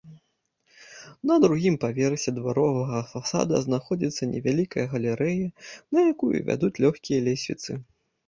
На другім паверсе дваровага фасада знаходзіцца невялікая галерэя, на якую вядуць лёгкія лесвіцы.